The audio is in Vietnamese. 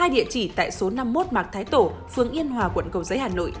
hai địa chỉ tại số năm mươi một mạc thái tổ phường yên hòa quận cầu giấy hà nội